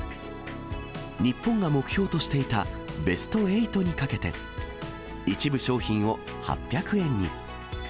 日本が目標としていたベスト８にかけて、一部商品を８００円に。